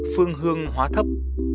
phương hương hóa thấp